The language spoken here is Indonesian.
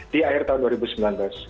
di akhir tahun dua ribu sembilan belas